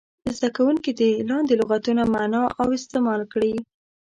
زده کوونکي دې لاندې لغتونه معنا او استعمال کړي.